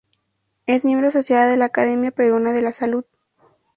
Es miembro asociada de la Academia Peruana de la Salud.